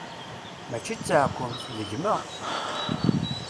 Mačči d taɛkemt, d gma!